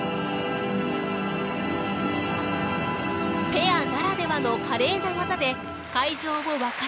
ペアならではの華麗な技で会場を沸かせました。